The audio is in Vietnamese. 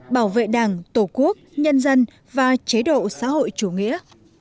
bảo vệ đảng tổ quốc nhân dân và chế độ xã hội chủ nghĩa